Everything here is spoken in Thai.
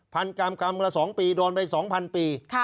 พันธุ์กรรมละ๒ปีดอนไป๒๐๐๐ปี